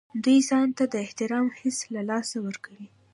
دوی ځان ته د احترام حس له لاسه ورکوي.